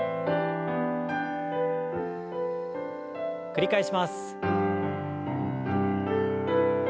繰り返します。